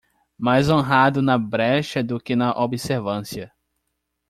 Mais honrado na brecha do que na observância